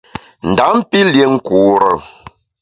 Ndam pi lié nkure.